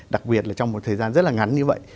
đặc biệt là trong một thời gian rất là ngắn như vậy